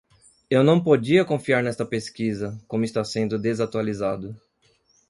Eu não podia confiar nesta pesquisa como está sendo desatualizado.